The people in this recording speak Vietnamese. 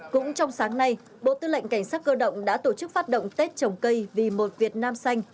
cũng trong sáng nay bộ tư lệnh cảnh sát cơ động đã tổ chức phát động tết trồng cây vì một việt nam xanh